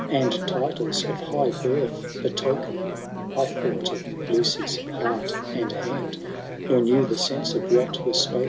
And titles of high birth the token — I thought of Lucy's heart and hand, Nor knew the sense of what was spoken.